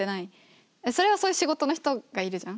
それはそういう仕事の人がいるじゃん。